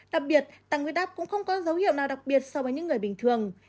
đặc biệt tăng huyết áp cũng không có dấu hiệu nào đặc biệt so với những người bình thường